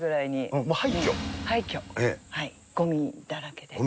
ごみだらけで。